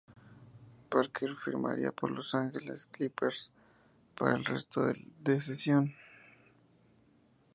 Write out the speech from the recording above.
Parker firmaría por Los Angeles Clippers para el resto de sesión.